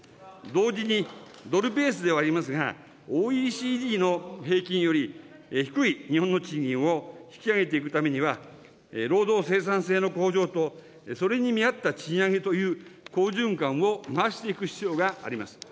同時にドルベースではありますが、ＯＥＣＤの平均より低い日本の賃金を引き上げていくためには、労働生産性の向上と、それに見合った賃上げという好循環を回していく必要があります。